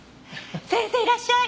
先生いらっしゃい！